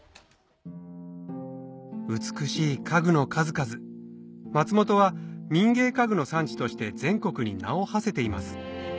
美しい家具の数々松本は民芸家具の産地として全国に名を馳せています